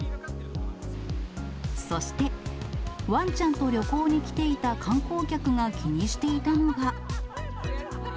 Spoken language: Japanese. そして、わんちゃんと旅行に来ていた観光客が気にしていたのが。